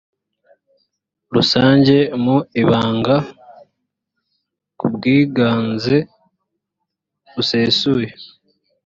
rusange mu ibanga ku bwiganze busesuye